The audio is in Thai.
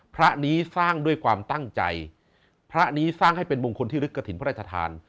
พระนี้สร้างด้วยความตั้งใจพระนี้สร้างให้เป็นมงคลที่ลึกกระถิ่นพระราชทาน